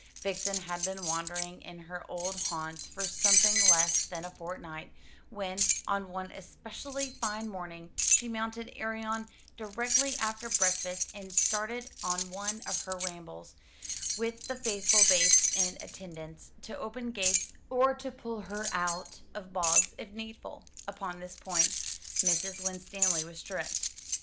Vixen had been wandering in her old haunts for something less than a fortnight, when, on one especially fine morning, she mounted Arion directly after breakfast and started on one of her rambles, with the faithful Bates in attendance, to open gates or to pull her out of bogs if needful. Upon this point Mrs. Winstanley was strict.